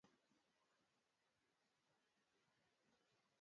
serikali ya muungano nchini humo upande wa pnu unaeongozwa na rais mwai kibaki